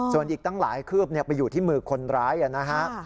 ส่วนอีกตั้งหลายคืบไปอยู่ที่มือคนร้ายนะฮะ